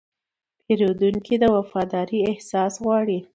پیرودونکی د وفادارۍ احساس غواړي.